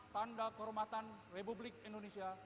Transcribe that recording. tanda kehormatan republik indonesia